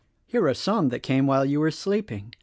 Here are some that came while you were sleeping.